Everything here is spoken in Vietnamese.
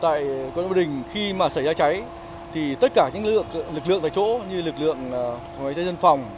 tại quận bình bình khi mà xảy ra cháy thì tất cả những lực lượng tại chỗ như lực lượng phòng cháy dân phòng